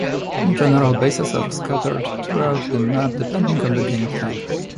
In general, bases are scattered throughout the map depending on the game type.